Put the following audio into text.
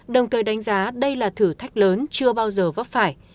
đồng thời đánh giá đây là thử thách lớn chưa bao giờ vấp phải